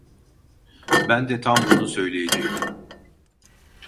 Ben de tam bunu söyleyecektim.